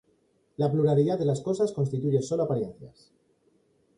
La pluralidad de las cosas constituye sólo apariencias.